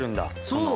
そう。